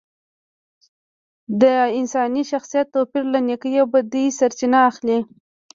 د انساني شخصیت توپیر له نیکۍ او بدۍ سرچینه اخلي